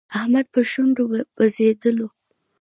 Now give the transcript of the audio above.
احمد په شونډو بزېدلو.